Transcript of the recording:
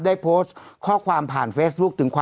ได้โพสต์ข้อความผ่านเฟซบุ๊ก